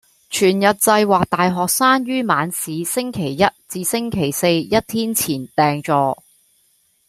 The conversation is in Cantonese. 全日制或大學生於晚市星期一至星期四一天前訂座